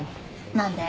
何で？